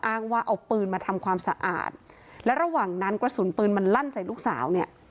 อ้างว่าเอาปืนมาทำความสะอาดและระหว่างนั้นกระสุนปืนมันลั่นใส่ลูกสาวเนี่ย